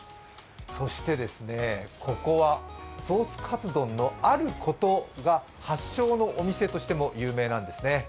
そしてここはソースカツ丼のあることが発祥のお店としても有名なんですね。